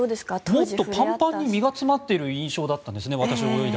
もっとパンパンに身が詰まっている感じだったんですね。